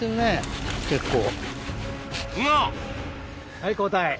はい交代！